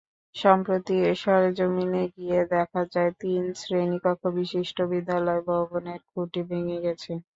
সম্প্রতি সরেজমিনে গিয়ে দেখা যায়, তিন শ্রেণিকক্ষবিশিষ্ট বিদ্যালয় ভবনের খুঁটি ভেঙে গেছে।